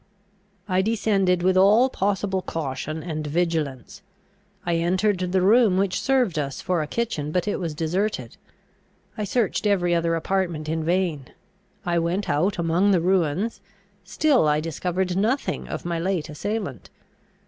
I descended with all possible caution and vigilance, I entered the room which served us for a kitchen, but it was deserted. I searched every other apartment in vain. I went out among the ruins; still I discovered nothing of my late assailant.